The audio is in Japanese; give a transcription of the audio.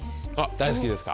大好きですか。